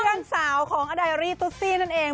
เรื่องสาวของอาไดรี่ตุ๊กซี่นั่นเอง